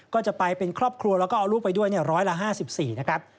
ก็จะไปเป็นครอบครัวแล้วก็เอาลูกไปด้วยร้อยละ๕๔นะครับ